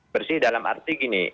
bersih dalam arti gini